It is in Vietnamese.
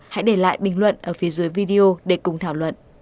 hãy để lại bình luận ở phía dưới video để cùng thảo luận